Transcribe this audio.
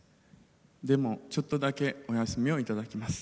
でもちょっとだけお休みをいただきます。